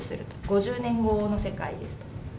５０年後の世界です。